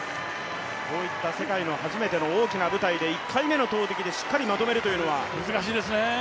こういった世界の初めての大きな舞台で１回目の投てきでしっかりまとめるというのは難しいですね。